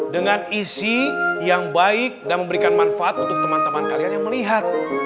dengan isi yang baik dan memberikan manfaat untuk teman teman kalian yang melihat